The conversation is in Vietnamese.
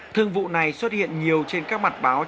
thương vụ này xuất hiện nhiều trên các mặt báo